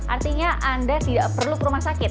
artinya anda tidak perlu ke rumah sakit